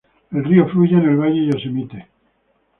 El río fluye en el valle Yosemite.